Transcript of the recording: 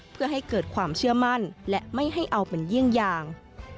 เพื่อให้เกิดความเชื่อมั่นและไม่ให้เอาเป็นเยี่ยงอย่าง